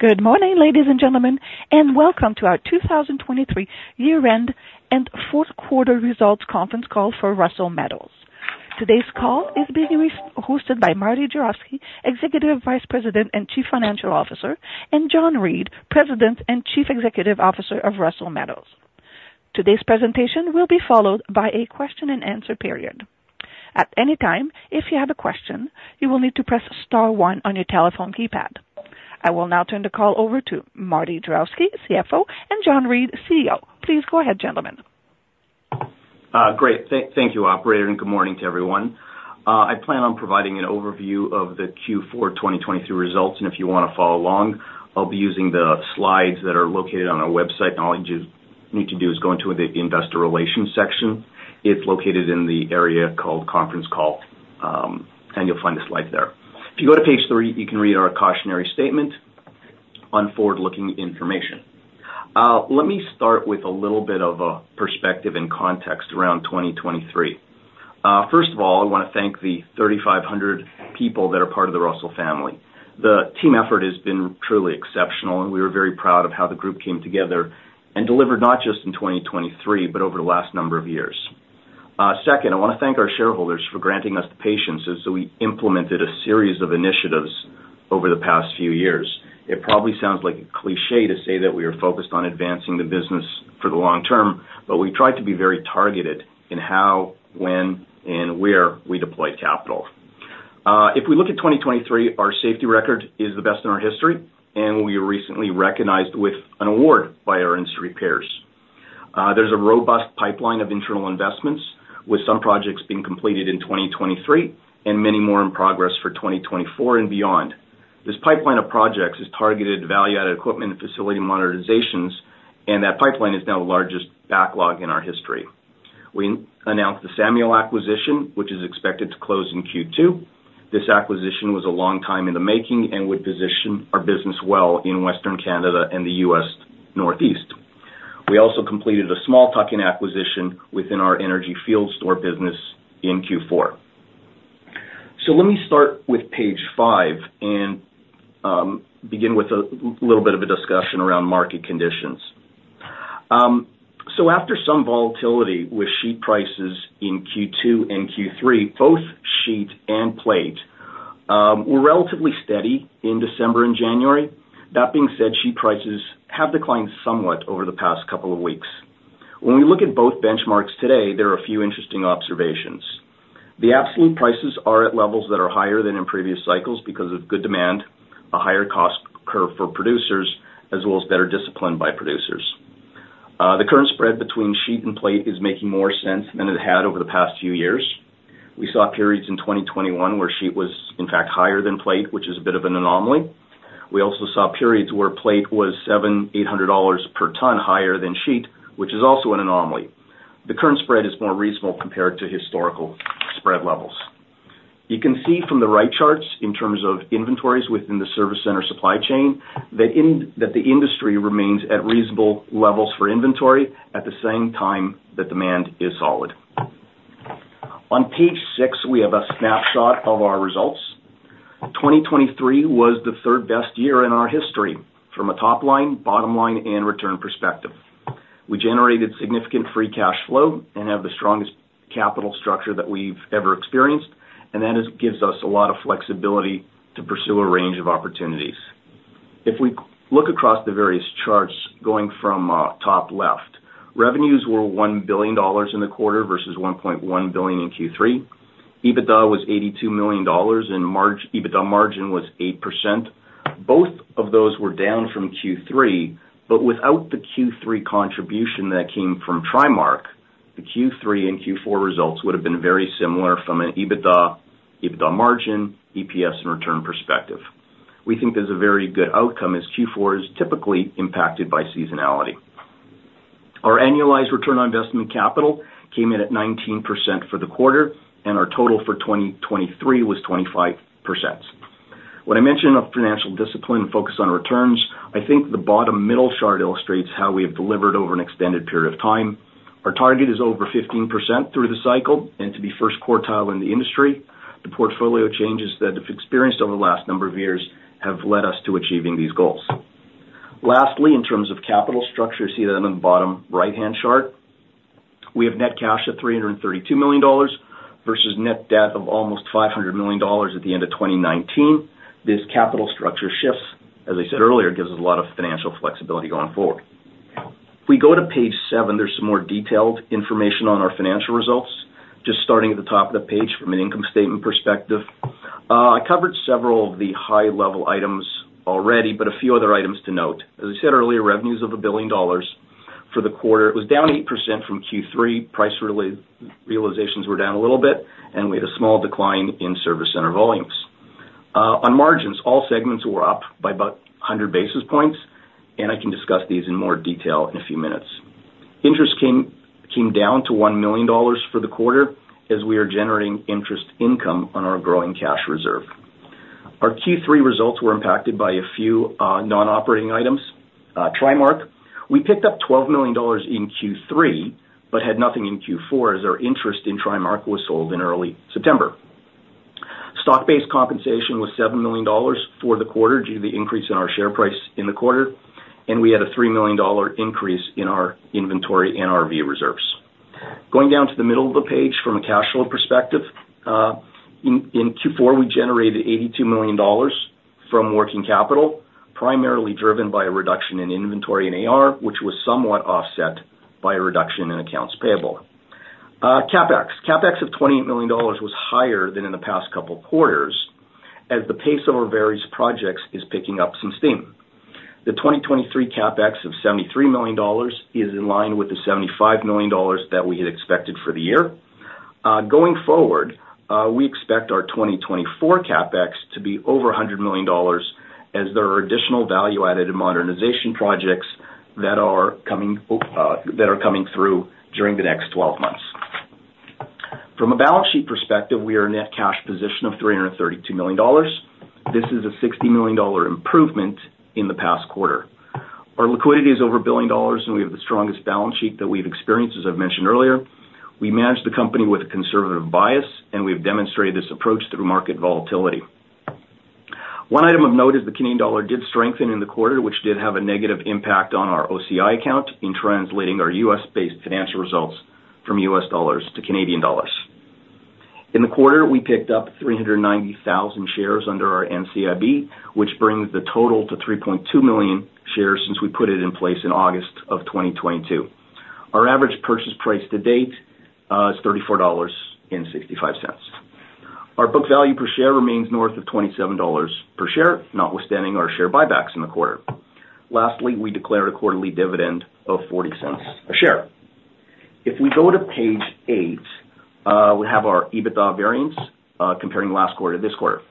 Good morning, ladies and gentlemen, and welcome to our 2023 year-end and fourth quarter results conference call for Russel Metals. Today's call is being hosted by Martin Juravsky, Executive Vice President and Chief Financial Officer, and John Reid, President and Chief Executive Officer of Russel Metals. Today's presentation will be followed by a question-and-answer period. At any time, if you have a question, you will need to press star one on your telephone keypad. I will now turn the call over to Martin Juravsky, CFO, and John Reid, CEO. Please go ahead, gentlemen. Great. Thank you, operator, and good morning to everyone. I plan on providing an overview of the Q4-2023 results, and if you wanna follow along, I'll be using the slides that are located on our website. All you just need to do is go into the Investor Relations section. It's located in the area called Conference Call, and you'll find the slide there. If you go to page three, you can read our cautionary statement on forward-looking information. Let me start with a little bit of a perspective and context around 2023. First of all, I wanna thank the 3,500 people that are part of the Russel family. The team effort has been truly exceptional, and we are very proud of how the group came together and delivered, not just in 2023, but over the last number of years. Second, I wanna thank our shareholders for granting us the patience as we implemented a series of initiatives over the past few years. It probably sounds like a cliché to say that we are focused on advancing the business for the long term, but we tried to be very targeted in how, when, and where we deployed capital. If we look at 2023, our safety record is the best in our history, and we were recently recognized with an award by our industry peers. There's a robust pipeline of internal investments, with some projects being completed in 2023 and many more in progress for 2024 and beyond. This pipeline of projects has targeted value-added equipment and facility modernizations, and that pipeline is now the largest backlog in our history. We announced the Samuel acquisition, which is expected to close in Q2. This acquisition was a long time in the making and would position our business well in Western Canada and the U.S. Northeast. We also completed a small tuck-in acquisition within our energy field store business in Q4. So let me start with page five and begin with a little bit of a discussion around market conditions. So after some volatility with sheet prices in Q2 and Q3, both sheet and plate were relatively steady in December and January. That being said, sheet prices have declined somewhat over the past couple of weeks. When we look at both benchmarks today, there are a few interesting observations. The absolute prices are at levels that are higher than in previous cycles because of good demand, a higher cost curve for producers, as well as better discipline by producers. The current spread between sheet and plate is making more sense than it had over the past few years. We saw periods in 2021 where sheet was, in fact, higher than plate, which is a bit of an anomaly. We also saw periods where plate was 700-800 dollars per ton higher than sheet, which is also an anomaly. The current spread is more reasonable compared to historical spread levels. You can see from the right charts, in terms of inventories within the service center supply chain, that the industry remains at reasonable levels for inventory, at the same time, that demand is solid. On page six, we have a snapshot of our results. 2023 was the third-best year in our history from a top-line, bottom-line, and return perspective. We generated significant free cash flow and have the strongest capital structure that we've ever experienced, and that gives us a lot of flexibility to pursue a range of opportunities. If we look across the various charts, going from top left, revenues were 1 billion dollars in the quarter versus 1.1 billion in Q3. EBITDA was 82 million dollars, and EBITDA margin was 8%. Both of those were down from Q3, but without the Q3 contribution that came from TriMark, the Q3 and Q4 results would have been very similar from an EBITDA, EBITDA margin, EPS, and return perspective. We think there's a very good outcome, as Q4 is typically impacted by seasonality. Our annualized return on investment capital came in at 19% for the quarter, and our total for 2023 was 25%. When I mentioned our financial discipline and focus on returns, I think the bottom middle chart illustrates how we have delivered over an extended period of time. Our target is over 15% through the cycle and to be first quartile in the industry. The portfolio changes that we've experienced over the last number of years have led us to achieving these goals. Lastly, in terms of capital structure, you see that on the bottom right-hand chart. We have net cash of 332 million dollars versus net debt of almost 500 million dollars at the end of 2019. This capital structure shifts, as I said earlier, gives us a lot of financial flexibility going forward. If we go to page seven, there's some more detailed information on our financial results. Just starting at the top of the page from an income statement perspective. I covered several of the high-level items already, but a few other items to note. As I said earlier, revenues of 1 billion dollars for the quarter. It was down 8% from Q3. Price realizations were down a little bit, and we had a small decline in service center volumes. On margins, all segments were up by about 100 basis points, and I can discuss these in more detail in a few minutes. Interest came down to 1 million dollars for the quarter as we are generating interest income on our growing cash reserve. Our Q3 results were impacted by a few non-operating items. TriMark, we picked up 12 million dollars in Q3, but had nothing in Q4, as our interest in TriMark was sold in early September. Stock-based compensation was 7 million dollars for the quarter, due to the increase in our share price in the quarter, and we had a 3 million dollar increase in our inventory and NRV reserves. Going down to the middle of the page, from a cash flow perspective, in Q4, we generated 82 million dollars from working capital, primarily driven by a reduction in inventory and AR, which was somewhat offset by a reduction in accounts payable. CapEx of 28 million dollars was higher than in the past couple quarters, as the pace of our various projects is picking up some steam. The 2023 CapEx of 73 million dollars is in line with the 75 million dollars that we had expected for the year. Going forward, we expect our 2024 CapEx to be over 100 million dollars, as there are additional value-added and modernization projects that are coming, that are coming through during the next twelve months. From a balance sheet perspective, we are a net cash position of 332 million dollars. This is a 60 million dollar improvement in the past quarter. Our liquidity is over 1 billion dollars, and we have the strongest balance sheet that we've experienced, as I've mentioned earlier. We managed the company with a conservative bias, and we've demonstrated this approach through market volatility. One item of note is the Canadian dollar did strengthen in the quarter, which did have a negative impact on our OCI account in translating our US-based financial results from US dollars to Canadian dollars. In the quarter, we picked up 390,000 shares under our NCIB, which brings the total to 3.2 million shares since we put it in place in August 2022. Our average purchase price to date is 34.65 dollars. Our book value per share remains north of 27 dollars per share, notwithstanding our share buybacks in the quarter. Lastly, we declared a quarterly dividend of 0.40 a share. If we go to page eight, we have our EBITDA variance comparing last quarter to this quarter.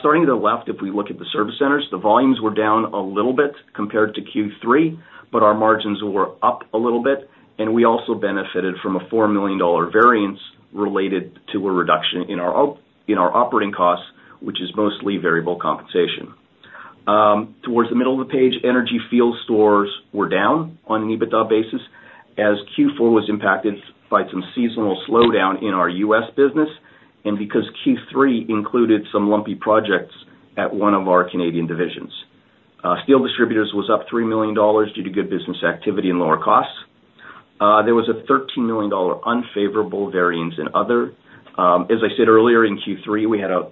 Starting at the left, if we look at the service centers, the volumes were down a little bit compared to Q3, but our margins were up a little bit, and we also benefited from a 4 million dollar variance related to a reduction in our operating costs, which is mostly variable compensation. Towards the middle of the page, energy field stores were down on an EBITDA basis, as Q4 was impacted by some seasonal slowdown in our U.S. business, and because Q3 included some lumpy projects at one of our Canadian divisions. Steel distributors was up 3 million dollars due to good business activity and lower costs. There was a 13 million dollar unfavorable variance in other. As I said earlier, in Q3, we had a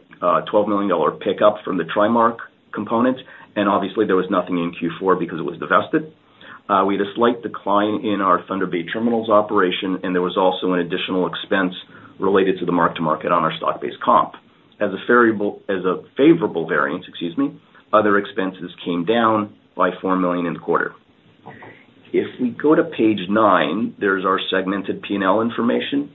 12 million dollar pickup from the TriMark component, and obviously, there was nothing in Q4 because it was divested. We had a slight decline in our Thunder Bay Terminals operation, and there was also an additional expense related to the mark-to-market on our stock-based comp. As a favorable variance, excuse me, other expenses came down by 4 million in the quarter. If we go to page nine, there's our segmented P&L information.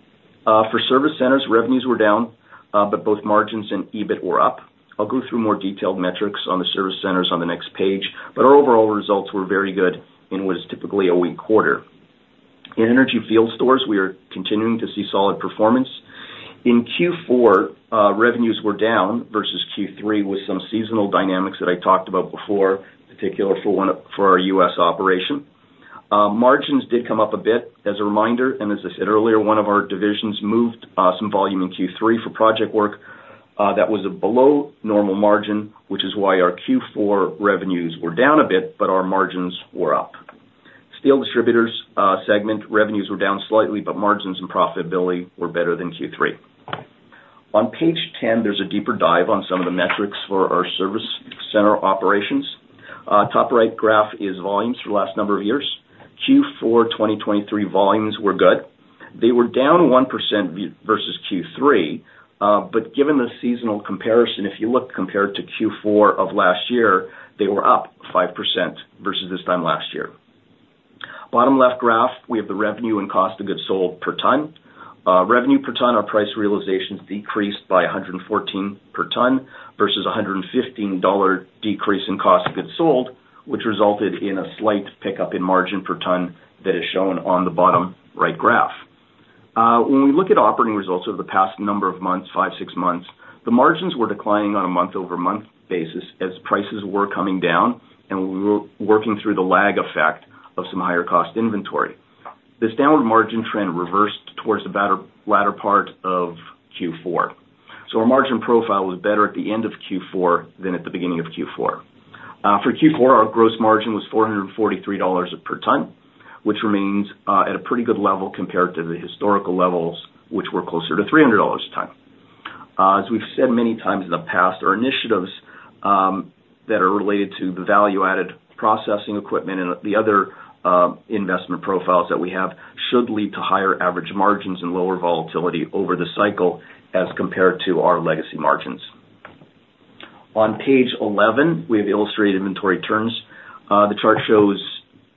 For service centers, revenues were down, but both margins and EBIT were up. I'll go through more detailed metrics on the service centers on the next page, but our overall results were very good in what is typically a weak quarter. In energy field stores, we are continuing to see solid performance. In Q4, revenues were down versus Q3, with some seasonal dynamics that I talked about before, particularly for our US operation. Margins did come up a bit as a reminder, and as I said earlier, one of our divisions moved some volume in Q3 for project work. That was a below-normal margin, which is why our Q4 revenues were down a bit, but our margins were up. Steel distributors segment revenues were down slightly, but margins and profitability were better than Q3. On page 10, there's a deeper dive on some of the metrics for our service center operations. Top right graph is volumes for the last number of years. Q4 2023 volumes were good. They were down 1% versus Q3, but given the seasonal comparison, if you look compared to Q4 of last year, they were up 5% versus this time last year. Bottom left graph, we have the revenue and cost of goods sold per ton. Revenue per ton, our price realizations decreased by 114 per ton versus a 115 dollar decrease in cost of goods sold, which resulted in a slight pickup in margin per ton, that is shown on the bottom right graph. When we look at operating results over the past number of months, five, six months, the margins were declining on a month-over-month basis as prices were coming down and we were working through the lag effect of some higher cost inventory. This downward margin trend reversed towards the latter part of Q4. So our margin profile was better at the end of Q4 than at the beginning of Q4. For Q4, our gross margin was 443 dollars per ton, which remains at a pretty good level compared to the historical levels, which were closer to 300 dollars a ton. As we've said many times in the past, our initiatives that are related to the value-added processing equipment and the other investment profiles that we have should lead to higher average margins and lower volatility over the cycle as compared to our legacy margins. On page 11, we have the illustrated inventory turns. The chart shows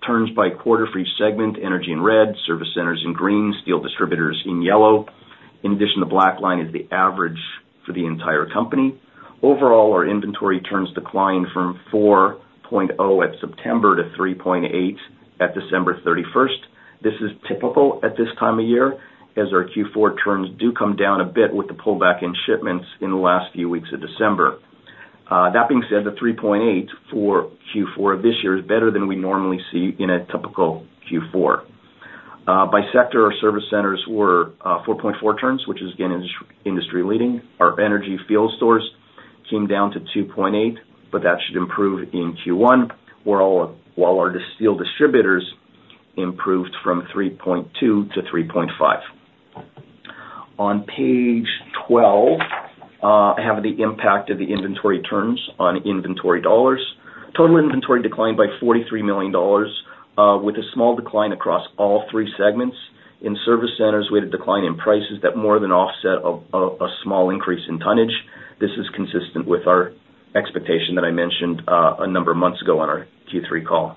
turns by quarter for each segment, energy in red, service centers in green, steel distributors in yellow. In addition, the black line is the average for the entire company. Overall, our inventory turns declined from 4.0 at September to 3.8 at December 31. This is typical at this time of year, as our Q4 turns do come down a bit with the pullback in shipments in the last few weeks of December. That being said, the 3.8 for Q4 of this year is better than we normally see in a typical Q4. By sector, our service centers were 4.4 turns, which is again, industry leading. Our energy field stores came down to 2.8, but that should improve in Q1, while our steel distributors improved from 3.2 to 3.5. On page 12, I have the impact of the inventory turns on inventory dollars. Total inventory declined by 43 million dollars, with a small decline across all three segments. In service centers, we had a decline in prices that more than offset a small increase in tonnage. This is consistent with our expectation that I mentioned a number of months ago on our Q3 call.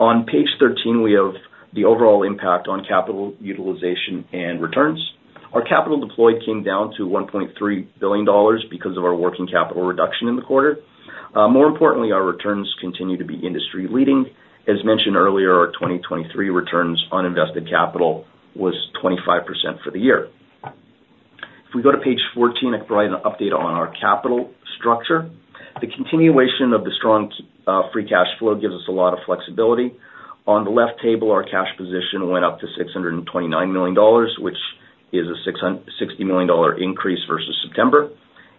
On page 13, we have the overall impact on capital utilization and returns. Our capital deployed came down to 1.3 billion dollars because of our working capital reduction in the quarter. More importantly, our returns continue to be industry leading. As mentioned earlier, our 2023 returns on invested capital was 25% for the year. If we go to page 14, I provide an update on our capital structure. The continuation of the strong free cash flow gives us a lot of flexibility. On the left table, our cash position went up to 629 million dollars, which is a 60 million dollar increase versus September,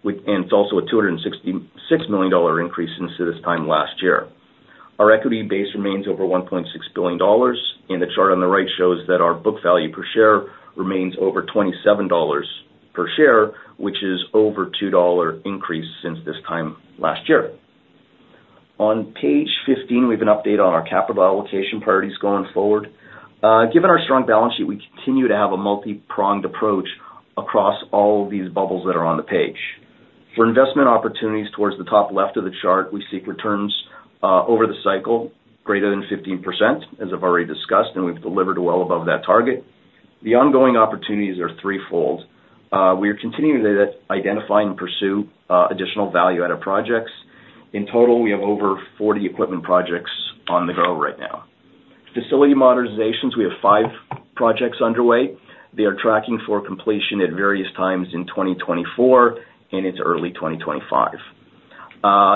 which and it's also a 266 million dollar increase since this time last year. Our equity base remains over 1.6 billion dollars, and the chart on the right shows that our book value per share remains over 27 dollars per share, which is over 2 dollar increase since this time last year. On page 15, we have an update on our capital allocation priorities going forward. Given our strong balance sheet, we continue to have a multi-pronged approach across all of these bubbles that are on the page. For investment opportunities towards the top left of the chart, we seek returns over the cycle greater than 15%, as I've already discussed, and we've delivered well above that target. The ongoing opportunities are threefold. We are continuing to identifying and pursue additional value add projects. In total, we have over 40 equipment projects on the go right now. Facility modernizations, we have five projects underway. They are tracking for completion at various times in 2024 and into early 2025.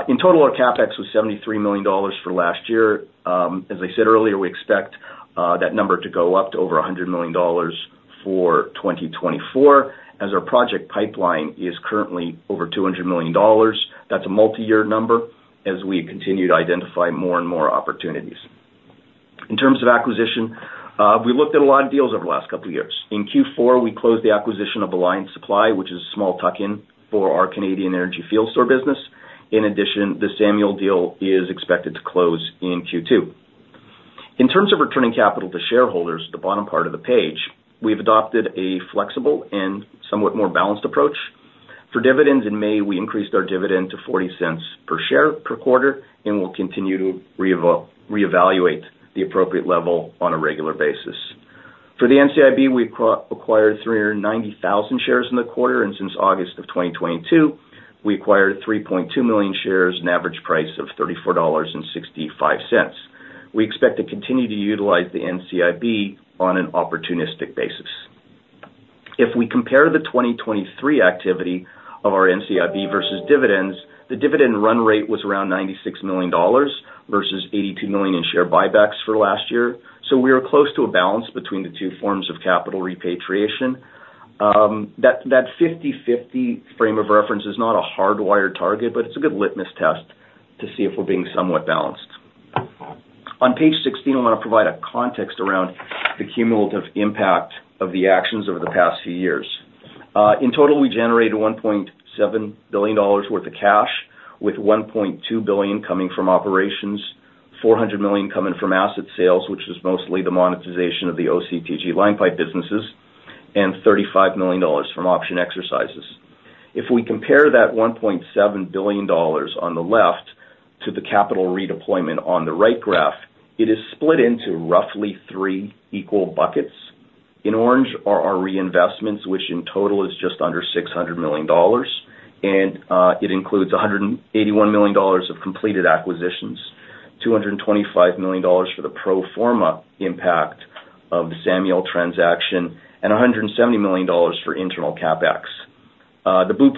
In total, our CapEx was 73 million dollars for last year. As I said earlier, we expect that number to go up to over 100 million dollars for 2024, as our project pipeline is currently over 200 million dollars. That's a multiyear number as we continue to identify more and more opportunities. In terms of acquisition, we looked at a lot of deals over the last couple of years. In Q4, we closed the acquisition of Alliance Supply, which is a small tuck-in for our Canadian energy field store business. In addition, the Samuel deal is expected to close in Q2. In terms of returning capital to shareholders, the bottom part of the page, we've adopted a flexible and somewhat more balanced approach. For dividends in May, we increased our dividend to 0.40 per share per quarter, and we'll continue to reevaluate the appropriate level on a regular basis. For the NCIB, we acquired 390,000 shares in the quarter, and since August of 2022, we acquired 3.2 million shares at an average price of 34.65 dollars. We expect to continue to utilize the NCIB on an opportunistic basis. If we compare the 2023 activity of our NCIB versus dividends, the dividend run rate was around 96 million dollars versus 82 million in share buybacks for last year. So we are close to a balance between the two forms of capital repatriation. That, that 50/50 frame of reference is not a hardwired target, but it's a good litmus test to see if we're being somewhat balanced. On page 16, I want to provide a context around the cumulative impact of the actions over the past few years. In total, we generated 1.7 billion dollars worth of cash, with 1.2 billion coming from operations, 400 million coming from asset sales, which is mostly the monetization of the OCTG line pipe businesses, and 35 million dollars from option exercises. If we compare that 1.7 billion dollars on the left to the capital redeployment on the right graph, it is split into roughly three equal buckets. In orange are our reinvestments, which in total is just under 600 million dollars, and it includes 181 million dollars of completed acquisitions, 225 million dollars for the pro forma impact of the Samuel transaction, and 170 million dollars for internal CapEx. The blue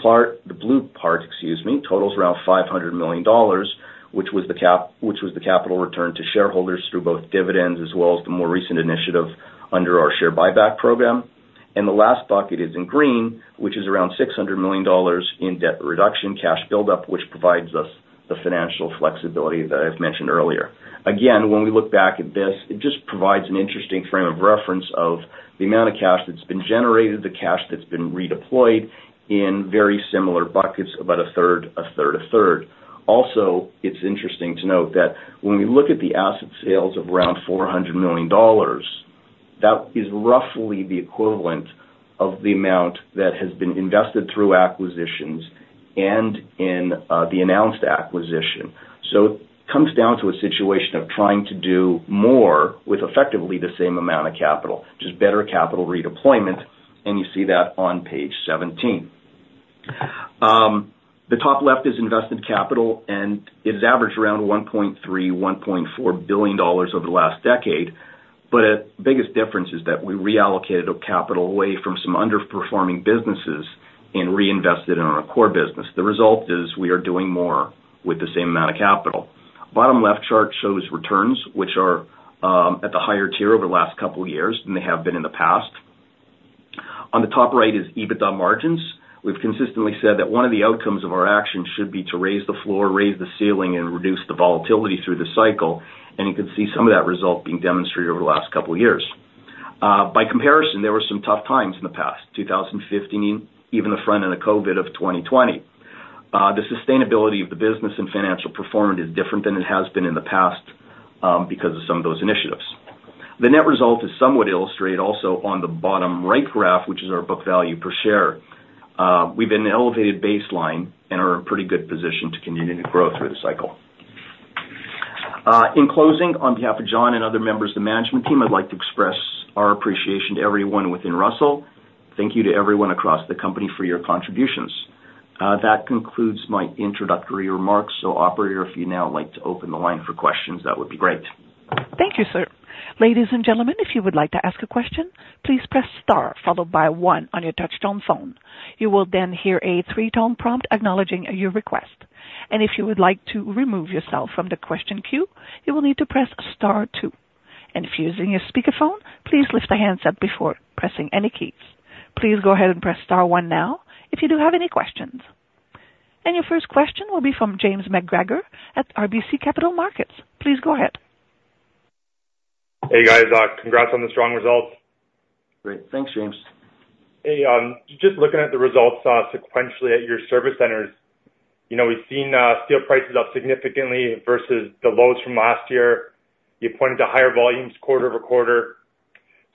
part, excuse me, totals around 500 million dollars, which was the capital return to shareholders through both dividends as well as the more recent initiative under our share buyback program. The last bucket is in green, which is around 600 million dollars in debt reduction, cash buildup, which provides us the financial flexibility that I've mentioned earlier. Again, when we look back at this, it just provides an interesting frame of reference of the amount of cash that's been generated, the cash that's been redeployed in very similar buckets, about a third, a third, a third. Also, it's interesting to note that when we look at the asset sales of around 400 million dollars, that is roughly the equivalent of the amount that has been invested through acquisitions and in the announced acquisition. So it comes down to a situation of trying to do more with effectively the same amount of capital, just better capital redeployment, and you see that on page 17. The top left is investment capital, and it has averaged around 1.3-1.4 billion dollars over the last decade. But the biggest difference is that we reallocated our capital away from some underperforming businesses... and reinvest it in our core business. The result is we are doing more with the same amount of capital. Bottom left chart shows returns, which are, at the higher tier over the last couple of years than they have been in the past. On the top right is EBITDA margins. We've consistently said that one of the outcomes of our actions should be to raise the floor, raise the ceiling, and reduce the volatility through the cycle, and you can see some of that result being demonstrated over the last couple of years. By comparison, there were some tough times in the past, 2015, even the front end of COVID of 2020. The sustainability of the business and financial performance is different than it has been in the past, because of some of those initiatives. The net result is somewhat illustrated also on the bottom right graph, which is our book value per share. We've been an elevated baseline and are in a pretty good position to continue to grow through the cycle. In closing, on behalf of John and other members of the management team, I'd like to express our appreciation to everyone within Russel. Thank you to everyone across the company for your contributions. That concludes my introductory remarks. So Operator, if you'd now like to open the line for questions, that would be great. Thank you, sir. Ladies and gentlemen, if you would like to ask a question, please press star followed by one on your touchtone phone. You will then hear a three-tone prompt acknowledging your request. If you would like to remove yourself from the question queue, you will need to press star two. If you're using a speakerphone, please lift the handset before pressing any keys. Please go ahead and press star one now if you do have any questions. Your first question will be from James McGarragle at RBC Capital Markets. Please go ahead. Hey, guys, congrats on the strong results. Great. Thanks, James. Hey, just looking at the results, sequentially at your service centers, you know, we've seen steel prices up significantly versus the lows from last year. You pointed to higher volumes quarter-over-quarter.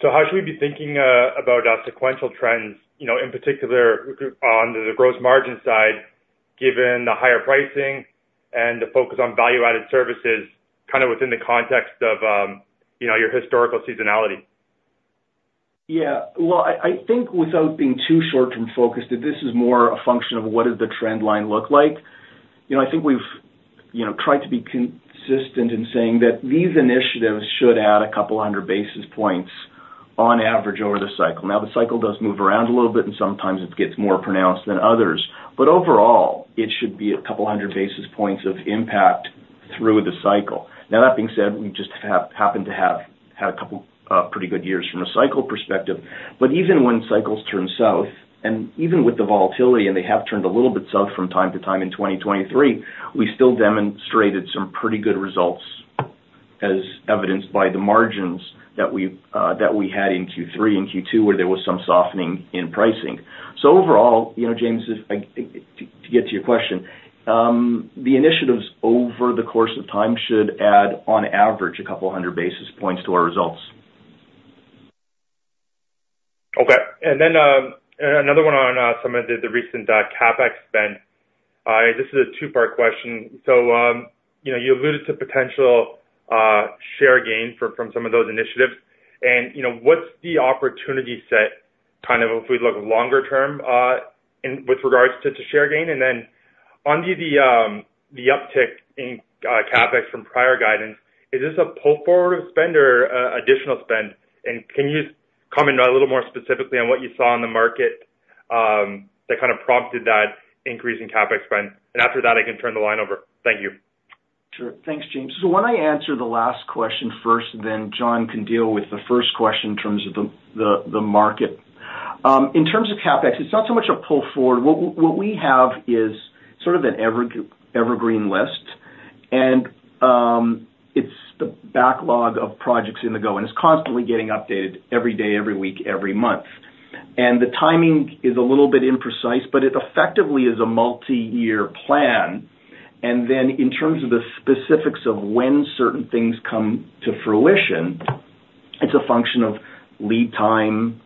So how should we be thinking about sequential trends, you know, in particular on the gross margin side, given the higher pricing and the focus on value-added services, kind of within the context of your historical seasonality? Yeah. Well, I think without being too short-term focused, that this is more a function of what does the trend line look like? You know, I think we've, you know, tried to be consistent in saying that these initiatives should add a couple hundred basis points on average over the cycle. Now, the cycle does move around a little bit, and sometimes it gets more pronounced than others. But overall, it should be a couple hundred basis points of impact through the cycle. Now, that being said, we just happened to have had a couple pretty good years from a cycle perspective. But even when cycles turn south, and even with the volatility, and they have turned a little bit south from time to time in 2023, we still demonstrated some pretty good results, as evidenced by the margins that we that we had in Q3 and Q2, where there was some softening in pricing. So overall, you know, James, if I to to get to your question, the initiatives over the course of time should add, on average, a couple hundred basis points to our results. Okay. And then, another one on some of the recent CapEx spend. This is a two-part question: So, you know, you alluded to potential share gain from some of those initiatives, and, you know, what's the opportunity set, kind of, if we look longer term in with regards to share gain? And then onto the uptick in CapEx from prior guidance, is this a pull-forward spend or additional spend? And can you comment a little more specifically on what you saw in the market that kind of prompted that increase in CapEx spend? And after that, I can turn the line over. Thank you. Sure. Thanks, James. So why don't I answer the last question first, then John can deal with the first question in terms of the market. In terms of CapEx, it's not so much a pull forward. What we have is sort of an evergreen list, and it's the backlog of projects in the go, and it's constantly getting updated every day, every week, every month. And the timing is a little bit imprecise, but it effectively is a multi-year plan. And then in terms of the specifics of when certain things come to fruition, it's a function of lead time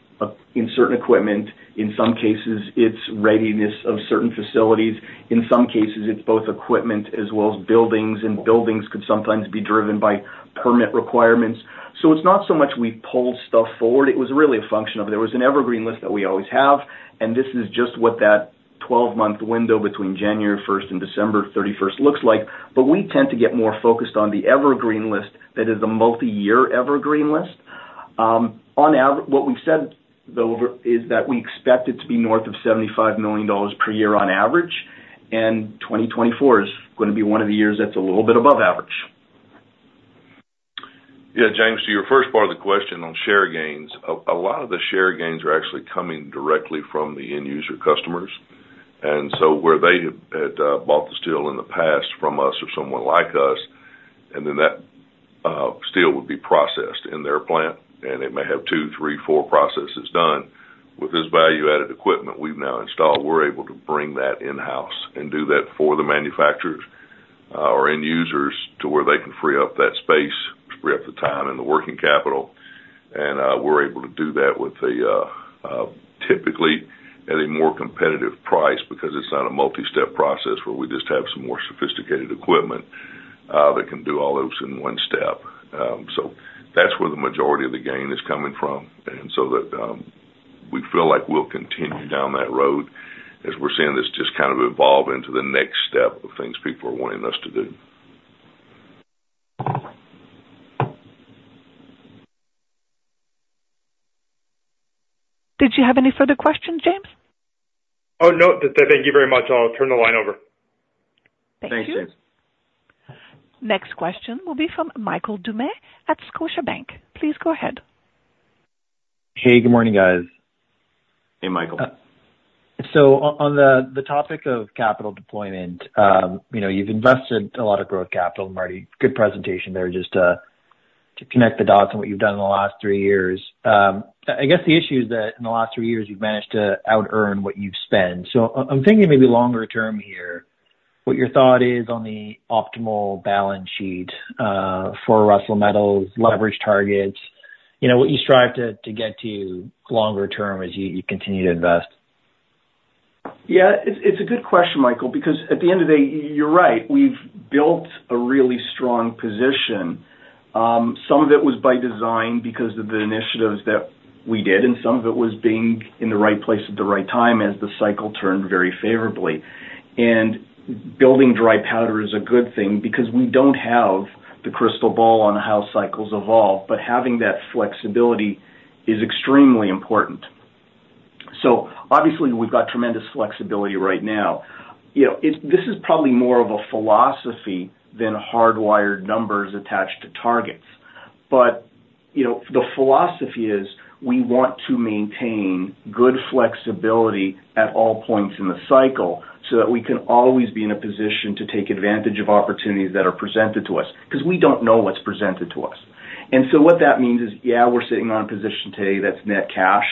in certain equipment. In some cases, it's readiness of certain facilities. In some cases, it's both equipment as well as buildings, and buildings could sometimes be driven by permit requirements. So it's not so much we pulled stuff forward. It was really a function of there was an evergreen list that we always have, and this is just what that 12-month window between January 1 and December 31 looks like. But we tend to get more focused on the evergreen list, that is a multi-year evergreen list. What we've said, though, over, is that we expect it to be north of 75 million dollars per year on average, and 2024 is gonna be one of the years that's a little bit above average. Yeah, James, to your first part of the question on share gains, a lot of the share gains are actually coming directly from the end user customers. And so where they had bought the steel in the past from us or someone like us, and then that steel would be processed in their plant, and it may have two, three, four processes done. With this value-added equipment we've now installed, we're able to bring that in-house and do that for the manufacturers or end users to where they can free up that space, free up the time and the working capital. And we're able to do that with a typically at a more competitive price because it's not a multi-step process where we just have some more sophisticated equipment that can do all those in one step. So that's where the majority of the gain is coming from. And so that, we feel like we'll continue down that road as we're seeing this just kind of evolve into the next step of things people are wanting us to do. Did you have any further questions, James? Oh, no. Thank you very much. I'll turn the line over. Thank you. Thanks, James. Next question will be from Michael Doumet at Scotiabank. Please go ahead Hey, good morning, guys. Hey, Michael. So on the topic of capital deployment, you know, you've invested a lot of growth capital, Marty. Good presentation there, just to connect the dots on what you've done in the last three years. I guess the issue is that in the last three years, you've managed to outearn what you've spent. So I'm thinking maybe longer term here, what your thought is on the optimal balance sheet for Russel Metals, leverage targets, you know, what you strive to get to longer term as you continue to invest? Yeah, it's a good question, Michael, because at the end of the day, you're right. We've built a really strong position. Some of it was by design because of the initiatives that we did, and some of it was being in the right place at the right time, as the cycle turned very favorably. Building dry powder is a good thing because we don't have the crystal ball on how cycles evolve, but having that flexibility is extremely important. So obviously, we've got tremendous flexibility right now. You know, it this is probably more of a philosophy than hardwired numbers attached to targets. But, you know, the philosophy is, we want to maintain good flexibility at all points in the cycle, so that we can always be in a position to take advantage of opportunities that are presented to us, 'cause we don't know what's presented to us. And so what that means is, yeah, we're sitting on a position today that's net cash.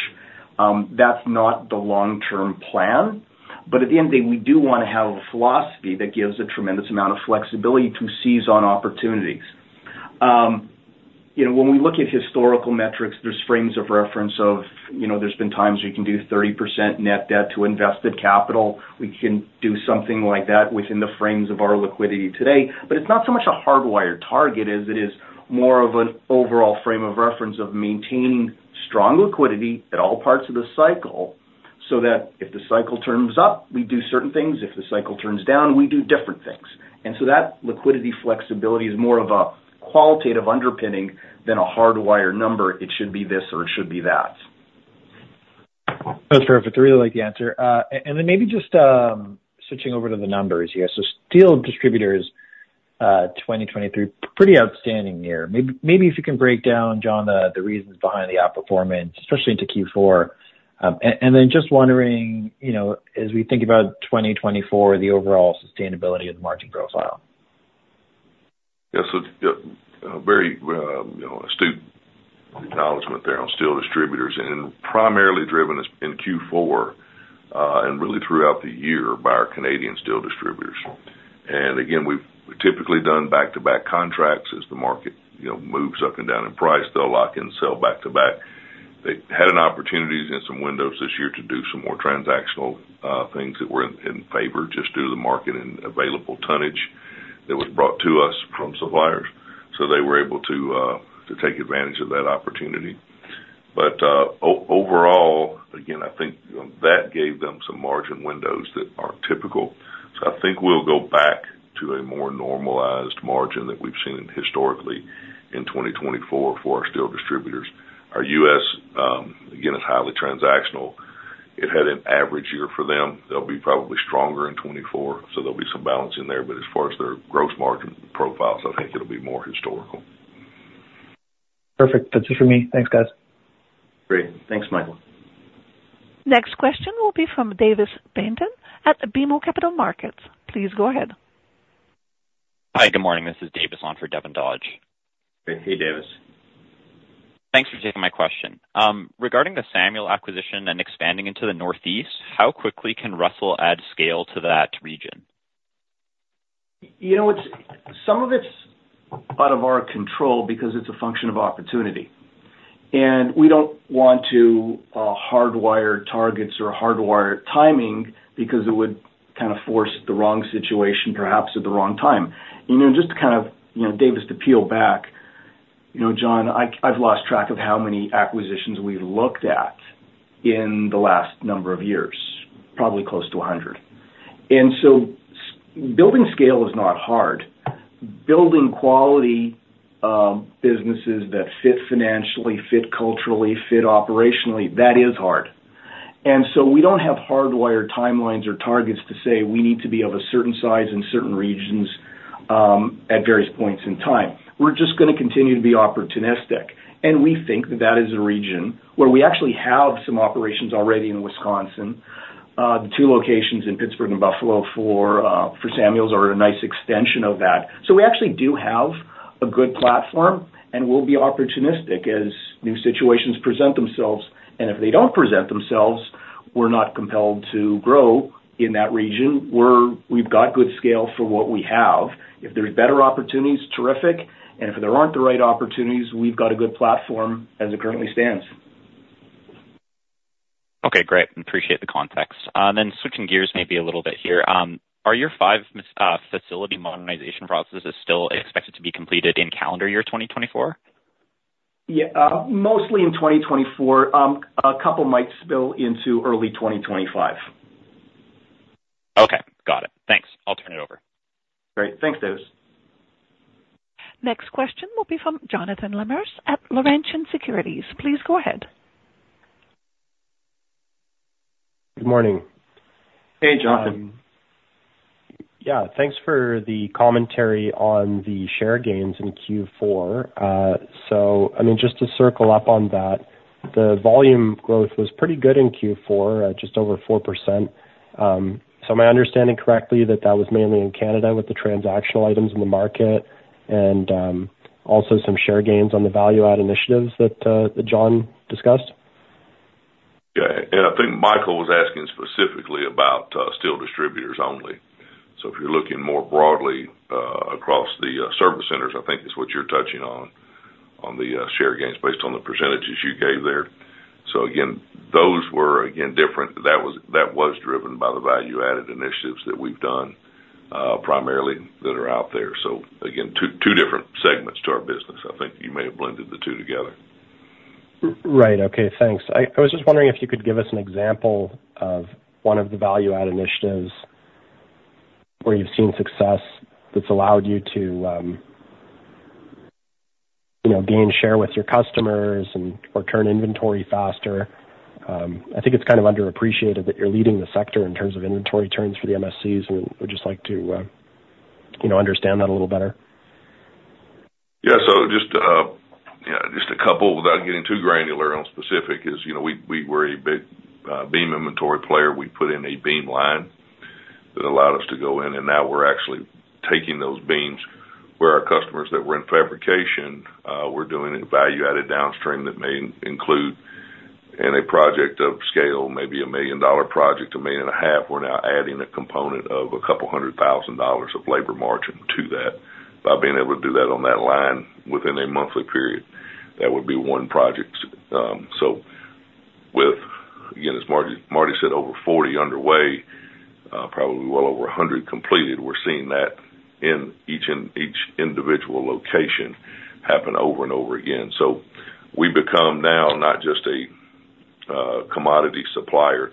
That's not the long-term plan, but at the end of the day, we do wanna have a philosophy that gives a tremendous amount of flexibility to seize on opportunities. You know, when we look at historical metrics, there's frames of reference of, you know, there's been times you can do 30% net debt to invested capital. We can do something like that within the frames of our liquidity today. But it's not so much a hardwired target, as it is more of an overall frame of reference of maintaining strong liquidity at all parts of the cycle, so that if the cycle turns up, we do certain things, if the cycle turns down, we do different things. And so that liquidity flexibility is more of a qualitative underpinning than a hardwired number. It should be this or it should be that. That's perfect. I really like the answer. And then maybe just switching over to the numbers here. So steel distributors, 2023, pretty outstanding year. Maybe if you can break down, John, the reasons behind the outperformance, especially into Q4. And then just wondering, you know, as we think about 2024, the overall sustainability of the margin profile. Yeah. So, very, you know, astute acknowledgment there on steel distributors, and primarily driven as in Q4, and really throughout the year by our Canadian steel distributors. And again, we've typically done back-to-back contracts. As the market, you know, moves up and down in price, they'll lock in, sell back-to-back. They had an opportunity and some windows this year to do some more transactional, things that were in favor, just due to the market and available tonnage that was brought to us from suppliers, so they were able to take advantage of that opportunity. But, overall, again, I think, that gave them some margin windows that aren't typical. So I think we'll go back to a more normalized margin that we've seen historically in 2024 for our steel distributors. Our U.S., again, is highly transactional. It had an average year for them. They'll be probably stronger in 2024, so there'll be some balance in there, but as far as their gross margin profiles, I think it'll be more historical. Perfect. That's it for me. Thanks, guys. Great. Thanks, Michael. Next question will be from Davis Baynton at BMO Capital Markets. Please go ahead. Hi, good morning, this is Davis on for Devin Dodge. Hey, Davis. Thanks for taking my question. Regarding the Samuel acquisition and expanding into the Northeast, how quickly can Russel add scale to that region? You know, it's some of it's out of our control because it's a function of opportunity. And we don't want to hardwire targets or hardwire timing because it would kind of force the wrong situation, perhaps at the wrong time. You know, just to kind of, you know, Davis, to peel back, you know, John, I've lost track of how many acquisitions we've looked at in the last number of years, probably close to 100. And so building scale is not hard. Building quality businesses that fit financially, fit culturally, fit operationally, that is hard. And so we don't have hardwired timelines or targets to say we need to be of a certain size in certain regions at various points in time. We're just gonna continue to be opportunistic, and we think that that is a region where we actually have some operations already in Wisconsin. The two locations in Pittsburgh and Buffalo for Samuel's are a nice extension of that. So we actually do have a good platform, and we'll be opportunistic as new situations present themselves, and if they don't present themselves, we're not compelled to grow in that region, where we've got good scale for what we have. If there are better opportunities, terrific, and if there aren't the right opportunities, we've got a good platform as it currently stands. Okay, great. Appreciate the context. Then switching gears maybe a little bit here. Are your five facility monetization processes still expected to be completed in calendar year 2024? Yeah, mostly in 2024. A couple might spill into early 2025...Great. Thanks, Davis. Next question will be from Jonathan Lamers at Laurentian Securities. Please go ahead. Good morning. Hey, Jonathan. Yeah, thanks for the commentary on the share gains in Q4. So, I mean, just to circle up on that, the volume growth was pretty good in Q4, at just over 4%. So am I understanding correctly that that was mainly in Canada with the transactional items in the market, and also some share gains on the value add initiatives that, that John discussed? Yeah, and I think Michael was asking specifically about steel distributors only. So if you're looking more broadly across the service centers, I think is what you're touching on, on the share gains based on the percentages you gave there. So again, those were, again, different. That was, that was driven by the value-added initiatives that we've done primarily that are out there. So again, two, two different segments to our business. I think you may have blended the two together. Right. Okay, thanks. I was just wondering if you could give us an example of one of the value add initiatives where you've seen success that's allowed you to, you know, gain share with your customers and/or turn inventory faster. I think it's kind of underappreciated that you're leading the sector in terms of inventory turns for the MSCs, and would just like to, you know, understand that a little better. Yeah. So just a couple, without getting too granular on specific, you know, we were a big beam inventory player. We put in a beam line that allowed us to go in, and now we're actually taking those beams where our customers that were in fabrication, we're doing a value-added downstream that may include, in a project of scale, maybe a 1 million dollar project, 1.5 million, we're now adding a component of a couple hundred thousand dollars of labor margin to that, by being able to do that on that line within a monthly period. That would be one project. So with, again, as Marty said, over 40 underway, probably well over 100 completed, we're seeing that in each and each individual location happen over and over again. So we've become now not just a commodity supplier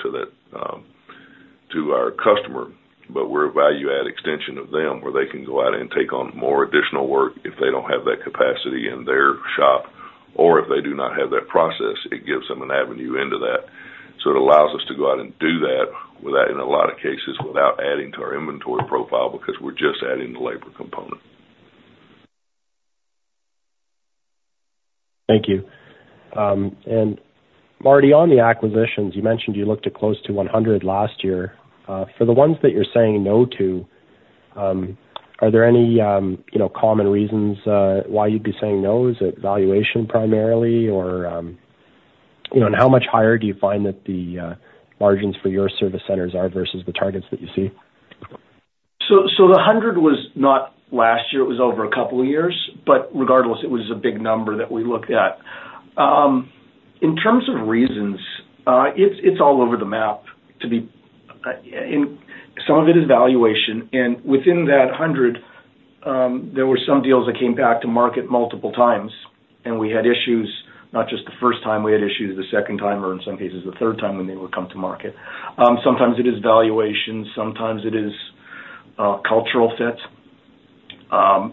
to our customer, but we're a value add extension of them, where they can go out and take on more additional work if they don't have that capacity in their shop, or if they do not have that process, it gives them an avenue into that. So it allows us to go out and do that without, in a lot of cases, without adding to our inventory profile, because we're just adding the labor component. Thank you. Marty, on the acquisitions, you mentioned you looked at close to 100 last year. For the ones that you're saying no to, are there any, you know, common reasons why you'd be saying no? Is it valuation primarily, or, you know... How much higher do you find that the margins for your service centers are versus the targets that you see? The 100 was not last year, it was over a couple of years, but regardless, it was a big number that we looked at. In terms of reasons, it's all over the map. Some of it is valuation, and within that 100, there were some deals that came back to market multiple times, and we had issues, not just the first time, we had issues the second time, or in some cases, the third time when they would come to market. Sometimes it is valuation, sometimes it is cultural fit.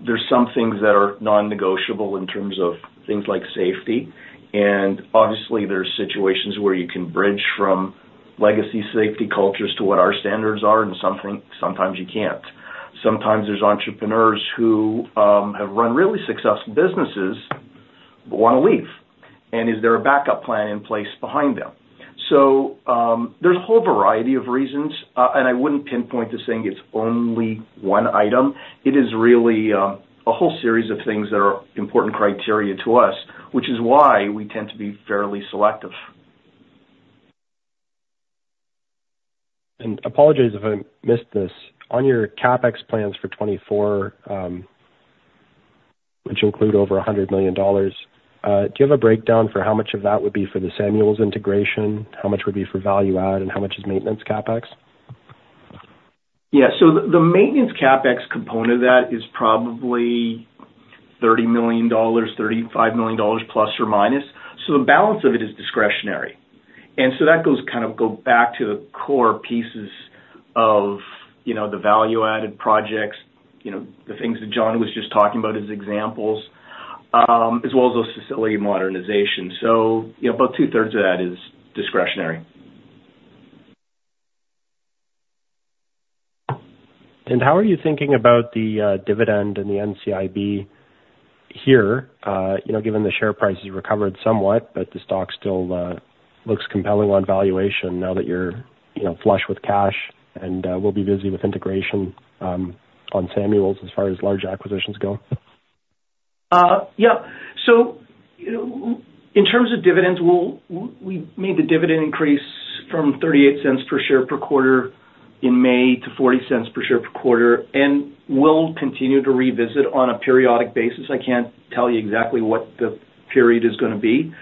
There's some things that are non-negotiable in terms of things like safety, and obviously there are situations where you can bridge from legacy safety cultures to what our standards are, and sometimes you can't. Sometimes there's entrepreneurs who have run really successful businesses, but wanna leave, and is there a backup plan in place behind them? So, there's a whole variety of reasons, and I wouldn't pinpoint to saying it's only one item. It is really a whole series of things that are important criteria to us, which is why we tend to be fairly selective. Apologize if I missed this. On your CapEx plans for 2024, which include over 100 million dollars, do you have a breakdown for how much of that would be for the Samuel's integration? How much would be for value add, and how much is maintenance CapEx? Yeah. So the maintenance CapEx component of that is probably 30 million dollars, 35 million±. So the balance of it is discretionary. And so that goes, kind of, go back to the core pieces of, you know, the value added projects, you know, the things that John was just talking about as examples, as well as those facility modernizations. So, you know, about two-thirds of that is discretionary. How are you thinking about the dividend and the NCIB here? You know, given the share price has recovered somewhat, but the stock still looks compelling on valuation now that you're, you know, flush with cash, and will be busy with integration on Samuel's as far as large acquisitions go. Yeah. So in terms of dividends, we made the dividend increase from 0.38 per share per quarter in May to 0.40 per share per quarter, and we'll continue to revisit on a periodic basis. I can't tell you exactly what the period is gonna be.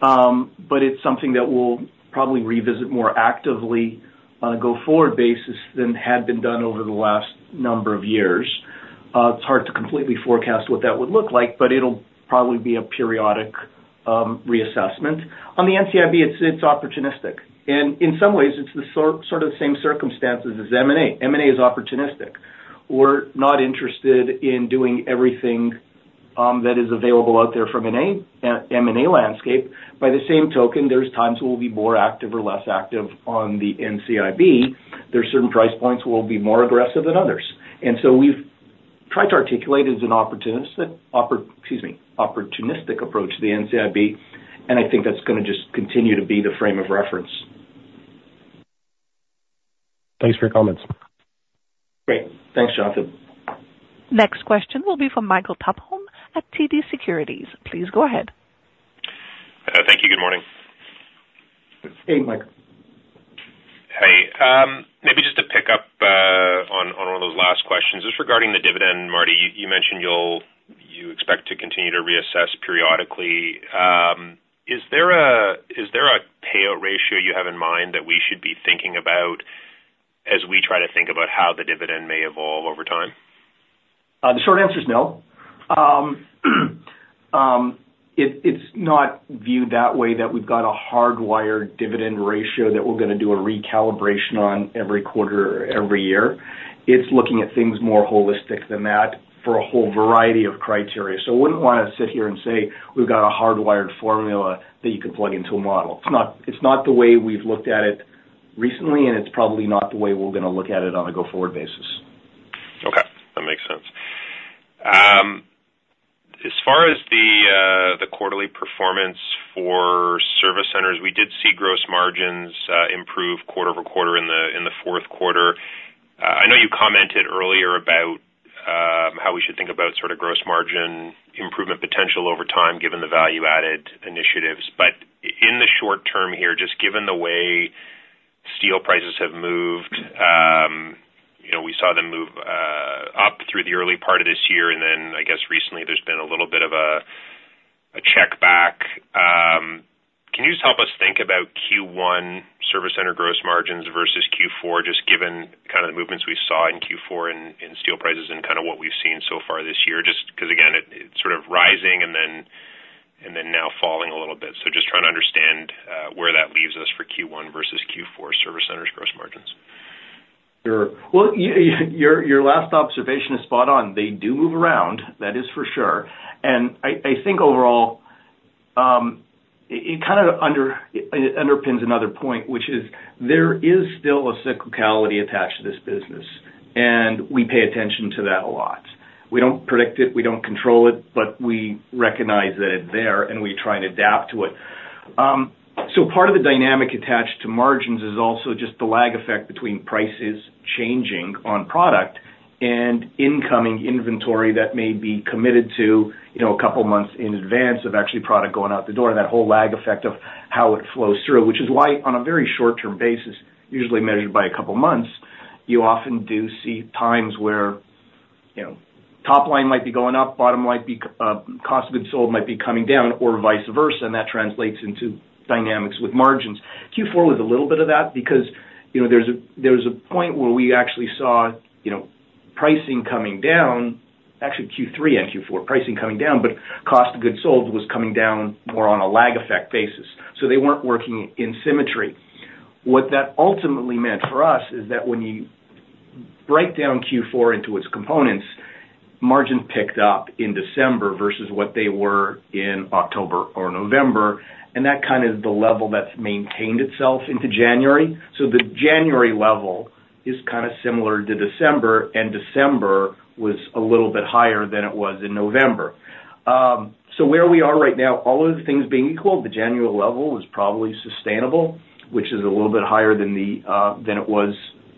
But it's something that we'll probably revisit more actively on a go-forward basis than had been done over the last number of years. It's hard to completely forecast what that would look like, but it'll probably be a periodic reassessment. On the NCIB, it's opportunistic, and in some ways, it's the sort of same circumstances as M&A. M&A is opportunistic. We're not interested in doing everything that is available out there from an M&A landscape. By the same token, there's times we'll be more active or less active on the NCIB. There are certain price points we'll be more aggressive than others. And so we've tried to articulate it as an opportunistic approach to the NCIB, and I think that's gonna just continue to be the frame of reference. Thanks for your comments. Great. Thanks, Jonathan. Next question will be from Michael Tupholme at TD Securities. Please go ahead. Thank you. Good morning. Hey, Michael. Hey, maybe just to pick up on one of those last questions. Just regarding the dividend, Marty, you mentioned you'll expect to continue to reassess periodically. Is there a payout ratio you have in mind that we should be thinking about as we try to think about how the dividend may evolve over time? The short answer is no. It's not viewed that way, that we've got a hardwired dividend ratio that we're gonna do a recalibration on every quarter, every year. It's looking at things more holistic than that for a whole variety of criteria. So I wouldn't wanna sit here and say we've got a hardwired formula that you can plug into a model. It's not the way we've looked at it recently, and it's probably not the way we're gonna look at it on a go-forward basis. Okay, that makes sense. As far as the quarterly performance for service centers, we did see gross margins improve quarter-over-quarter in the fourth quarter. I know you commented earlier about how we should think about sort of gross margin improvement potential over time, given the value-added initiatives. But in the short term here, just given the way steel prices have moved, you know, we saw them move up through the early part of this year, and then, I guess recently, there's been a little bit of a check back. Can you just help us think about Q1 service center gross margins versus Q4, just given kind of the movements we saw in Q4 in steel prices and kind of what we've seen so far this year? Just 'cause, again, it, it's sort of rising and then, and then now falling a little bit. So just trying to understand where that leaves us for Q1 versus Q4 service centers gross margins. Sure. Well, your, your last observation is spot on. They do move around, that is for sure. And I, I think overall, it kind of underpins another point, which is there is still a cyclicality attached to this business, and we pay attention to that a lot. We don't predict it, we don't control it, but we recognize that it's there, and we try and adapt to it. So part of the dynamic attached to margins is also just the lag effect between prices changing on product and incoming inventory that may be committed to, you know, a couple months in advance of actually product going out the door, and that whole lag effect of how it flows through. Which is why on a very short-term basis, usually measured by a couple of months, you often do see times where, you know, top line might be going up, bottom line might be, cost of goods sold might be coming down or vice versa, and that translates into dynamics with margins. Q4 was a little bit of that because, you know, there's a, there's a point where we actually saw, you know, pricing coming down. Actually, Q3 and Q4, pricing coming down, but cost of goods sold was coming down more on a lag effect basis, so they weren't working in symmetry. What that ultimately meant for us, is that when you break down Q4 into its components, margins picked up in December versus what they were in October or November, and that kind of the level that's maintained itself into January. So the January level is kind of similar to December, and December was a little bit higher than it was in November. So where we are right now, all of the things being equal, the January level is probably sustainable, which is a little bit higher than it was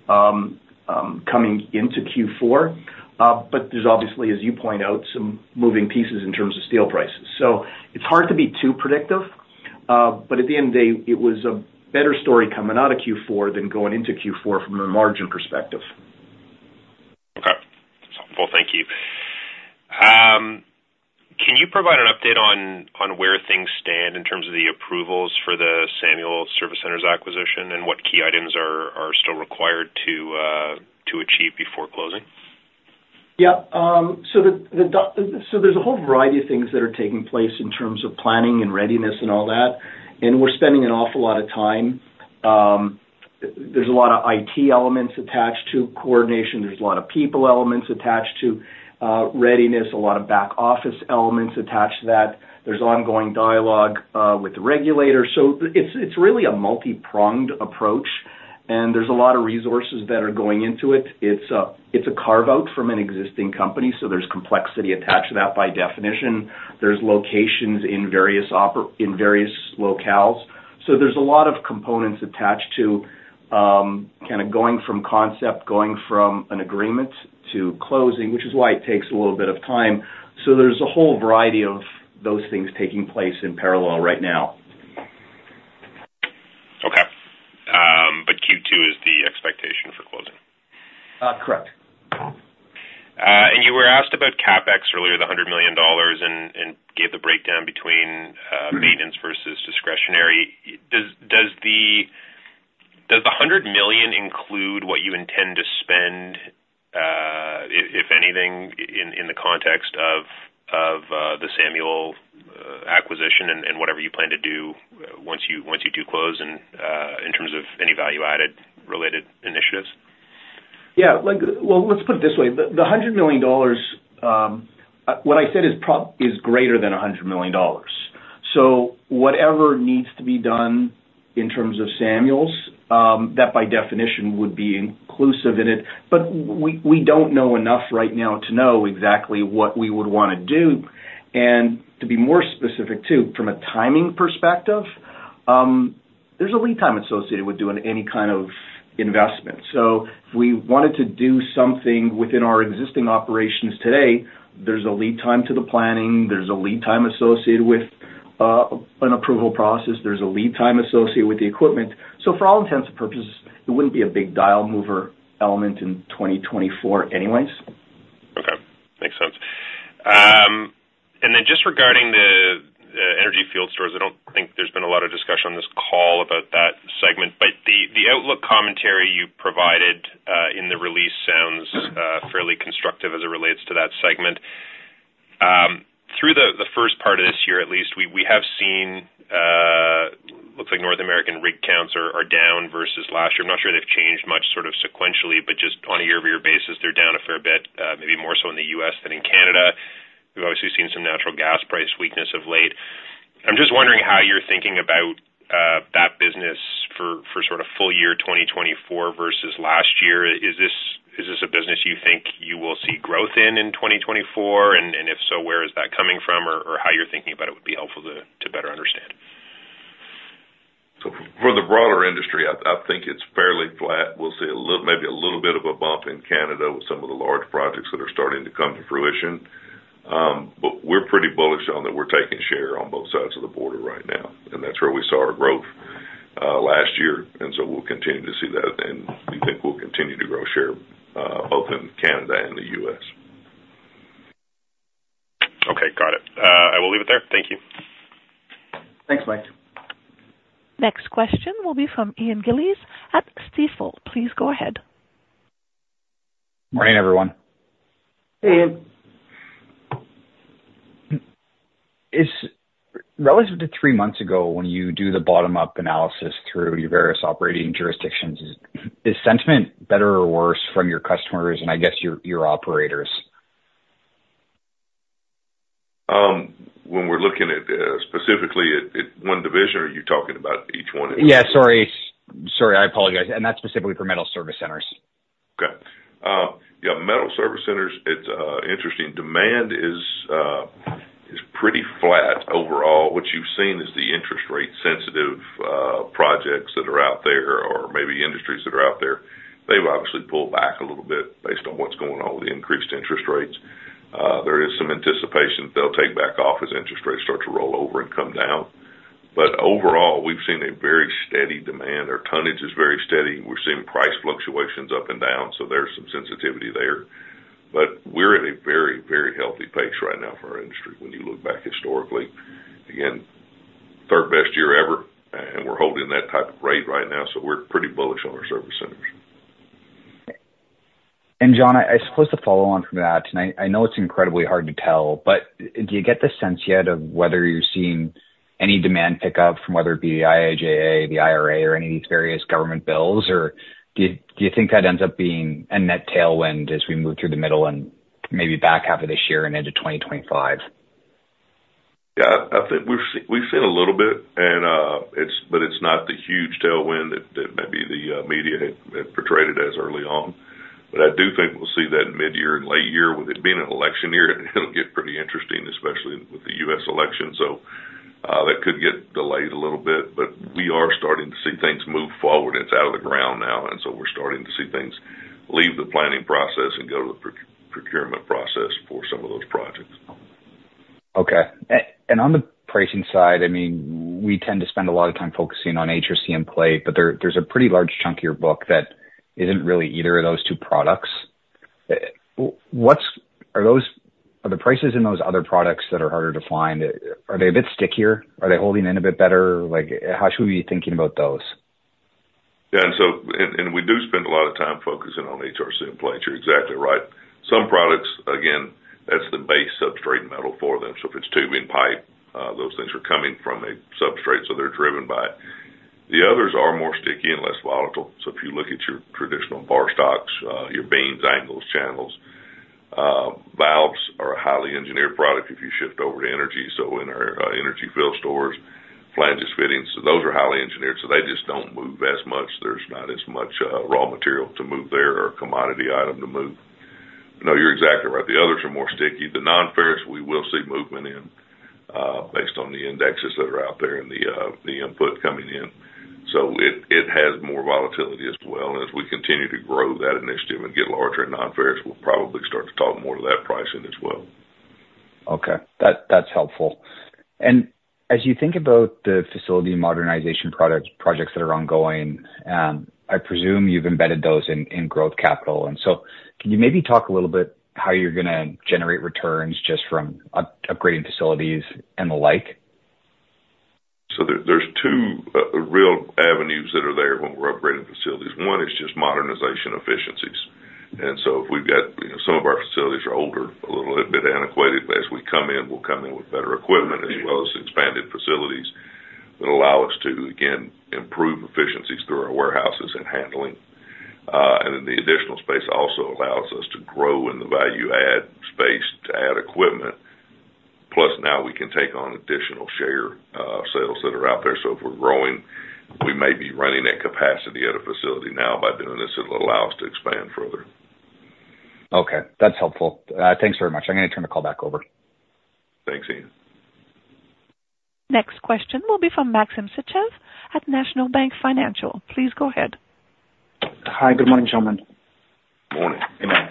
coming into Q4. But there's obviously, as you point out, some moving pieces in terms of steel prices. So it's hard to be too predictive, but at the end of the day, it was a better story coming out of Q4 than going into Q4 from a margin perspective. Okay. Well, thank you. Can you provide an update on where things stand in terms of the approvals for the Samuel Service Centers acquisition, and what key items are still required to achieve before closing? Yeah, so there's a whole variety of things that are taking place in terms of planning and readiness and all that, and we're spending an awful lot of time. There's a lot of IT elements attached to coordination. There's a lot of people elements attached to readiness, a lot of back office elements attached to that. There's ongoing dialogue with the regulators. So it's really a multipronged approach, and there's a lot of resources that are going into it. It's a carve-out from an existing company, so there's complexity attached to that by definition. There's locations in various locales. So there's a lot of components attached to kind of going from concept, going from an agreement to closing, which is why it takes a little bit of time. There's a whole variety of those things taking place in parallel right now. Okay. But Q2 is the expectation for closing? Uh, correct. And you were asked million include what you intend to spend, if anything, in the context of the Samuel acquisition and whatever you plan to do once you do close and in terms of any value-added related initiatives? Yeah, like, well, let's put it this way. The hundred million dollars, what I said is pro- is greater than a hundred million dollars. So whatever needs to be done in terms of Samuel's, that by definition would be inclusive in it. But we don't know enough right now to know exactly what we would wanna do. And to be more specific too, from a timing perspective, there's a lead time associated with doing any kind of investment. So if we wanted to do something within our existing operations today, there's a lead time to the planning, there's a lead time associated with an approval process, there's a lead time associated with the equipment. So for all intents and purposes, it wouldn't be a big dial mover element in 2024 anyways. Okay, makes sense. And then just regarding the energy field stores, I don't think there's been a lot of discussion on this call about that segment, but the outlook commentary you provided in the release sounds fairly constructive as it relates to that segment. Through the first part of this year, at least, we have seen looks like North American rig counts are down versus last year. I'm not sure they've changed much sort of sequentially, but just on a year-over-year basis, they're down a fair bit, maybe more so in the U.S. than in Canada. We've obviously seen some natural gas price weakness of late. I'm just wondering how you're thinking about that business for sort of full year 2024 versus last year. Is this a business you think you will see growth in, in 2024? And if so, where is that coming from, or how you're thinking about it would be helpful to better understand. So for the broader industry, I think it's fairly flat. We'll see a little, maybe a little bit of a bump in Canada with some of the large projects that are starting to come to fruition. But we're pretty bullish on that we're taking share on both sides of the border right now, and that's where we saw our growth, last year, and so we'll continue to see that, and we think we'll continue to grow share, both in Canada and the U.S. Okay, got it. I will leave it there. Thank you. Thanks, Mike. Next question will be from Ian Gillies at Stifel. Please go ahead. Morning, everyone. Hey, Ian. Is relative to three months ago, when you do the bottom-up analysis through your various operating jurisdictions, is sentiment better or worse from your customers and I guess your, your operators? When we're looking at specifically at one division, or are you talking about each one? Yeah, sorry. Sorry, I apologize, and that's specifically for metal service centers. Okay. Yeah, metal service centers, it's interesting. Demand is pretty flat overall. What you've seen is the interest rate sensitive projects that are out there, or maybe industries that are out there, they've obviously pulled back a little bit based on what's going on with the increased interest rates. There is some anticipation they'll take back off as interest rates start to roll over and come down. But overall, we've seen a very steady demand. Our tonnage is very steady. We're seeing price fluctuations up and down, so there's some sensitivity there. But we're at a very, very healthy pace right now for our industry when you look back historically. Again, third best year ever, and we're holding that type of rate right now, so we're pretty bullish on our service centers. And John, I suppose to follow on from that, and I know it's incredibly hard to tell, but do you get the sense yet of whether you're seeing any demand pick up from whether it be the IIJA, the IRA, or any of these various government bills? Or do you think that ends up being a net tailwind as we move through the middle and maybe back half of this year and into 2025? Yeah, I think we've seen a little bit and it's, but it's not the huge tailwind that maybe the media had portrayed it as early on. But I do think we'll see that in mid-year and late year. With it being an election year, it'll get pretty interesting, especially with the U.S. election. So, that could get delayed a little bit, but we are starting to see things move forward. It's out of the ground now, and so we're starting to see things leave the planning process and go to the procurement process for some of those projects. Okay. And on the pricing side, I mean, we tend to spend a lot of time focusing on HRC and plate, but there's a pretty large chunk of your book that isn't really either of those two products. What are the prices in those other products that are harder to find? Are they a bit stickier? Are they holding in a bit better? Like, how should we be thinking about those? Yeah, and so, we do spend a lot of time focusing on HRC and plates. You're exactly right. Some products, again, that's the base substrate metal for them. So if it's tubing pipe, those things are coming from a substrate, so they're driven by it. The others are more sticky and less volatile. So if you look at your traditional bar stocks, your beams, angles, channels, valves are a highly engineered product if you shift over to energy. So in our energy field stores, flanges, fittings, so those are highly engineered, so they just don't move as much. There's not as much raw material to move there or commodity item to move. No, you're exactly right. The others are more sticky. The nonferrous, we will see movement in, based on the indexes that are out there and the, the input coming in. So it has more volatility as well. And as we continue to grow that initiative and get larger in nonferrous, we'll probably start to talk more to that pricing as well. Okay, that's helpful. As you think about the facility modernization products, projects that are ongoing, I presume you've embedded those in growth capital. So can you maybe talk a little bit how you're gonna generate returns just from upgrading facilities and the like?... So there, there's two real avenues that are there when we're upgrading facilities. One is just modernization efficiencies. And so if we've got, you know, some of our facilities are older, a little bit antiquated, but as we come in, we'll come in with better equipment as well as expanded facilities that allow us to, again, improve efficiencies through our warehouses and handling. And then the additional space also allows us to grow in the value add space to add equipment. Plus, now we can take on additional share sales that are out there. So if we're growing, we may be running at capacity at a facility now. By doing this, it'll allow us to expand further. Okay, that's helpful. Thanks very much. I'm gonna turn the call back over. Thanks, Ian. Next question will be from Maxim Sytchev at National Bank Financial. Please go ahead. Hi, good morning, gentlemen. Morning. Good morning.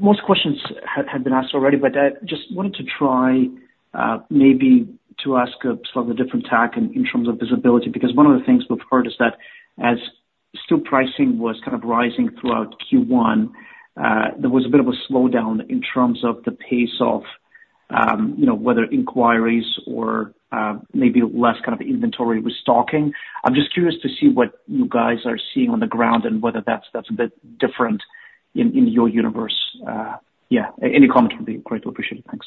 Most questions had been asked already, but I just wanted to try maybe to ask a slightly different tack in terms of visibility, because one of the things we've heard is that as steel pricing was kind of rising throughout Q1, there was a bit of a slowdown in terms of the pace of you know, whether inquiries or maybe less kind of inventory restocking. I'm just curious to see what you guys are seeing on the ground and whether that's a bit different in your universe. Yeah, any comment would be greatly appreciated. Thanks.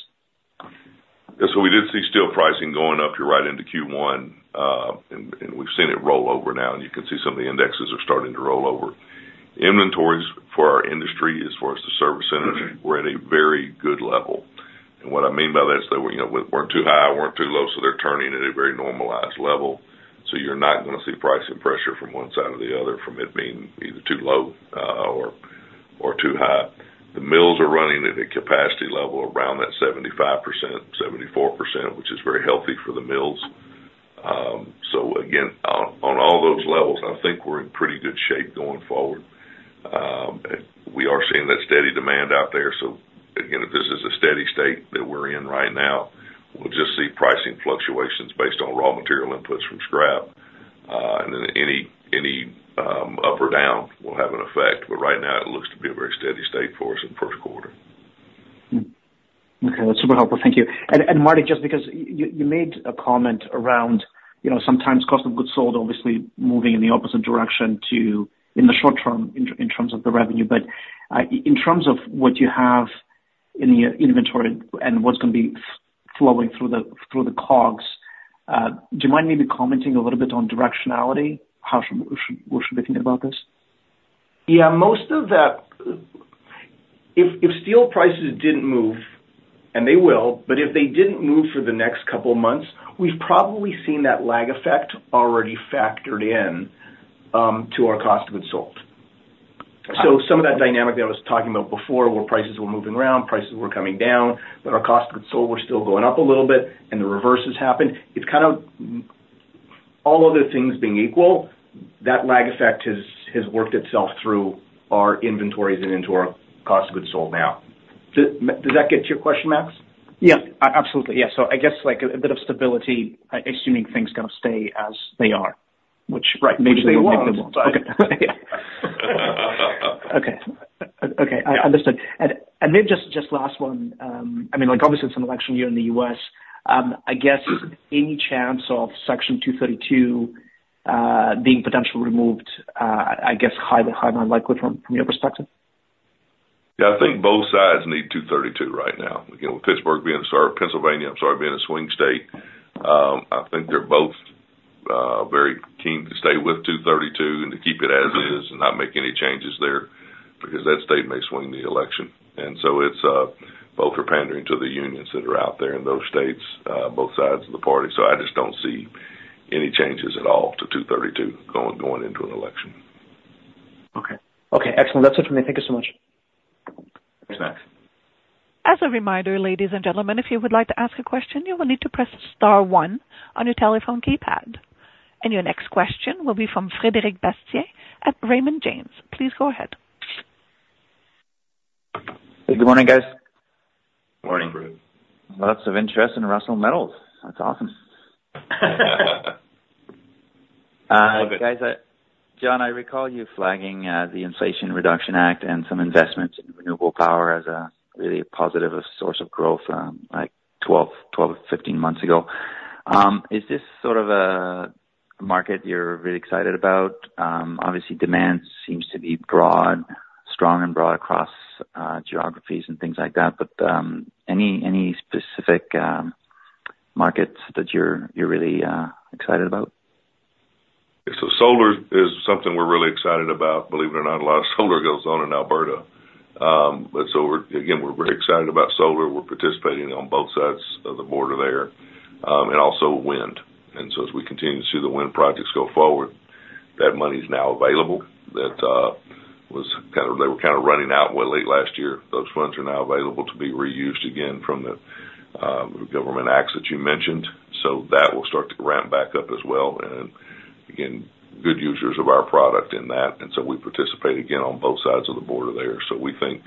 Yeah, so we did see steel pricing going up, you're right, into Q1, and we've seen it roll over now, and you can see some of the indexes are starting to roll over. Inventories for our industry, as far as the service center, we're at a very good level. And what I mean by that is that, you know, we weren't too high, weren't too low, so they're turning at a very normalized level. So you're not gonna see pricing pressure from one side or the other, from it being either too low, or too high. The mills are running at a capacity level around that 75%, 74%, which is very healthy for the mills. So again, on all those levels, I think we're in pretty good shape going forward. We are seeing that steady demand out there. So again, if this is a steady state that we're in right now, we'll just see pricing fluctuations based on raw material inputs from scrap, and then any up or down will have an effect. But right now, it looks to be a very steady state for us in the first quarter. Hmm. Okay, that's super helpful. Thank you. And Marty, just because you made a comment around, you know, sometimes cost of goods sold, obviously moving in the opposite direction to, in the short term, in terms of the revenue. But in terms of what you have in your inventory and what's gonna be flowing through the COGS, do you mind maybe commenting a little bit on directionality? How should we be thinking about this? Yeah, most of that, if steel prices didn't move, and they will, but if they didn't move for the next couple of months, we've probably seen that lag effect already factored in to our cost of goods sold. So some of that dynamic that I was talking about before, where prices were moving around, prices were coming down, but our cost of goods sold were still going up a little bit, and the reverse has happened. It's kind of... All other things being equal, that lag effect has worked itself through our inventories and into our cost of goods sold now. Does that get to your question, Max? Yeah, absolutely. Yeah. So I guess like a bit of stability, assuming things kind of stay as they are, which- Right. Okay. Okay, I understood. And, and then just, just last one, I mean, like, obviously, it's an election year in the U.S., I guess, any chance of Section 232 being potentially removed, I guess, highly, highly unlikely from, from your perspective? Yeah, I think both sides need 232 right now. Again, with Pittsburgh being sorry, Pennsylvania, I'm sorry, being a swing state, I think they're both very keen to stay with 232 and to keep it as it is and not make any changes there, because that state may swing the election. And so it's both are pandering to the unions that are out there in those states, both sides of the party. So I just don't see any changes at all to 232 going into an election. Okay. Okay, excellent. That's it for me. Thank you so much. Thanks, Max. As a reminder, ladies and gentlemen, if you would like to ask a question, you will need to press star one on your telephone keypad. Your next question will be from Frederic Bastien at Raymond James. Please go ahead. Good morning, guys. Morning. Morning. Lots of interest in Russel Metals. That's awesome. Guys, John, I recall you flagging the Inflation Reduction Act and some investments in renewable power as a really positive source of growth, like 12-15 months ago. Is this sort of a market you're really excited about? Obviously, demand seems to be broad, strong and broad across geographies and things like that, but any, any specific markets that you're, you're really excited about? So solar is something we're really excited about. Believe it or not, a lot of solar goes on in Alberta. Again, we're very excited about solar. We're participating on both sides of the border there, and also wind. And so as we continue to see the wind projects go forward, that money is now available. That was kind of, they were kind of running out late last year. Those funds are now available to be reused again from the government acts that you mentioned. So that will start to ramp back up as well, and again, good users of our product in that. And so we participate again on both sides of the border there. So we think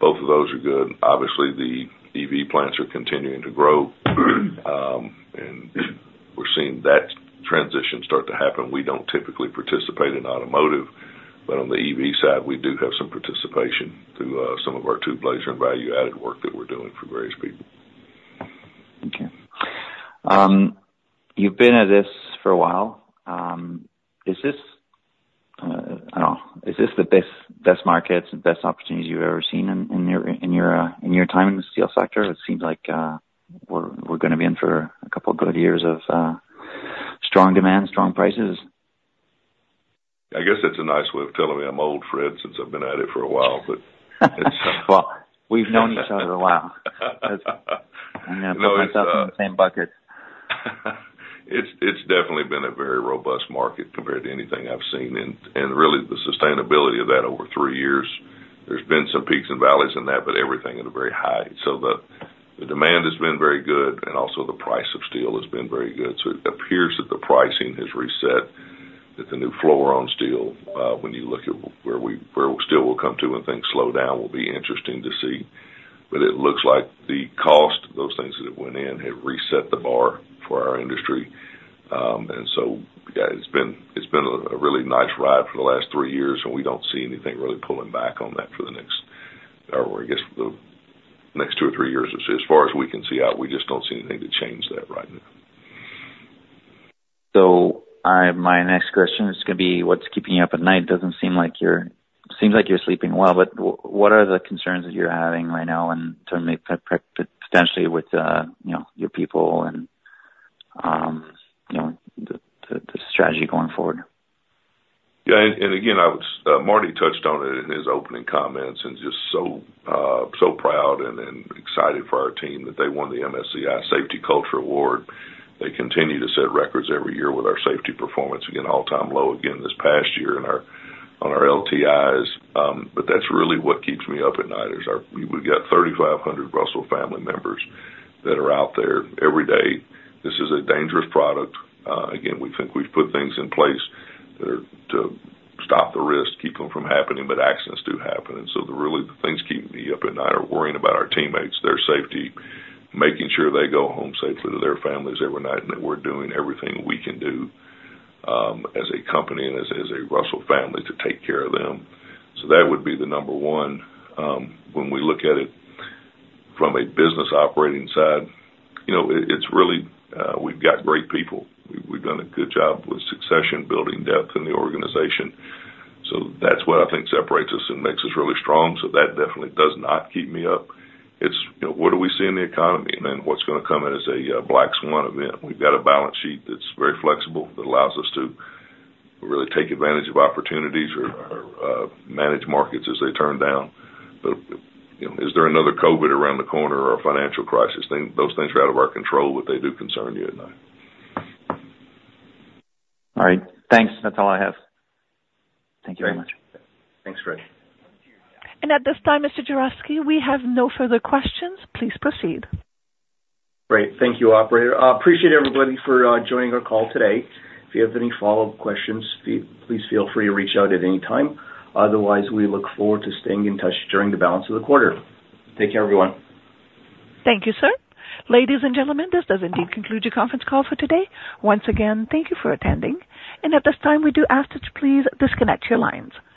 both of those are good. Obviously, the EV plants are continuing to grow, and we're seeing that transition start to happen. We don't typically participate in automotive.... But on the EV side, we do have some participation through some of our tube laser and value-added work that we're doing for various people. Thank you. You've been at this for a while. Is this, I don't know, is this the best, best markets and best opportunities you've ever seen in your, in your time in the steel sector? It seems like, we're gonna be in for a couple good years of, strong demand, strong prices. I guess that's a nice way of telling me I'm old, Fred, since I've been at it for a while, but -- Well, we've known each other a while. I'm gonna put myself in the same bucket. It's definitely been a very robust market compared to anything I've seen. And really the sustainability of that over three years, there's been some peaks and valleys in that, but everything at a very high. So the demand has been very good, and also the price of steel has been very good. So it appears that the pricing has reset, that the new floor on steel, when you look at where steel will come to and things slow down, will be interesting to see. But it looks like the cost of those things that went in have reset the bar for our industry. And so, yeah, it's been a really nice ride for the last three years, and we don't see anything really pulling back on that for the next, or I guess, the next two or three years. As far as we can see out, we just don't see anything to change that right now. My next question is gonna be, what's keeping you up at night? Doesn't seem like you're, seems like you're sleeping well, but what are the concerns that you're having right now, and certainly potentially with, you know, your people and, you know, the strategy going forward? Yeah, and again, Marty touched on it in his opening comments, and just so proud and excited for our team that they won the MSCI Safety Culture Award. They continue to set records every year with our safety performance. Again, all-time low again this past year on our LTIs. But that's really what keeps me up at night is our, we've got 3,500 Russel family members that are out there every day. This is a dangerous product. Again, we think we've put things in place that are to stop the risk, keep them from happening, but accidents do happen. So the really, the things keeping me up at night are worrying about our teammates, their safety, making sure they go home safely to their families every night, and that we're doing everything we can do, as a company and as a Russel family to take care of them. So that would be the number one. When we look at it from a business operating side, you know, it's really, we've got great people. We've done a good job with succession, building depth in the organization. So that's what I think separates us and makes us really strong, so that definitely does not keep me up. It's, you know, what do we see in the economy? And then what's gonna come in as a black swan event? We've got a balance sheet that's very flexible, that allows us to really take advantage of opportunities or manage markets as they turn down. But, you know, is there another COVID around the corner or a financial crisis? Those things are out of our control, but they do concern me at night. All right. Thanks. That's all I have. Thank you very much. Thanks, Fred. At this time, Mr. Juravsky, we have no further questions. Please proceed. Great. Thank you, operator. Appreciate everybody for joining our call today. If you have any follow-up questions, please feel free to reach out at any time. Otherwise, we look forward to staying in touch during the balance of the quarter. Take care, everyone. Thank you, sir. Ladies and gentlemen, this does indeed conclude your conference call for today. Once again, thank you for attending. At this time, we do ask that you please disconnect your lines.